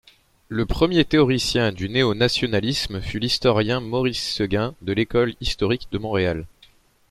Le premier théoricien du néonationalisme fut l'historien Maurice Séguin de l'école historique de Montréal.